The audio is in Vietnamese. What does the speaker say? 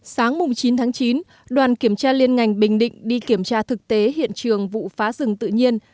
sáng chín tháng chín đoàn kiểm tra liên ngành bình định đi kiểm tra thực tế hiện trường vụ phá rừng tự nhiên